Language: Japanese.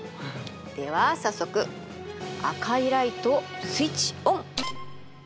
では早速赤いライトスイッチオン！